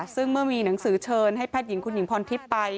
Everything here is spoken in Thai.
ซึ่งเมื่อมีหนังสือเชิญให้แพทย์หญิงคุณหญิงพรทิพย์ไป